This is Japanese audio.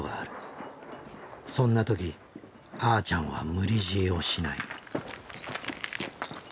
そんな時あーちゃんは無理強いをしない。